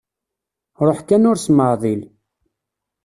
Ruḥ kan ur smeεḍil.